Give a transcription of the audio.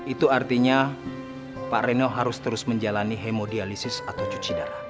itu artinya pak reno harus terus menjalani hemodialisis atau cuci darah